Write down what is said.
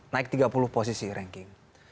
naik tiga puluh posisi ranking